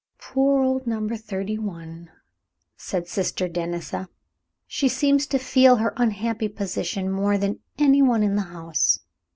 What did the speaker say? "Poor old Number Thirty one!" said Sister Denisa. "She seems to feel her unhappy position more than any one in the house.